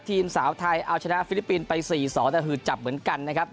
ทีมสาวไทยเอาชนะฟิลิปปินส์ไป๔๒แต่คือจับเหมือนกันนะครับ